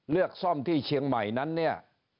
เลือกซ่อมที่เชียงใหม่นั้นเนี่ย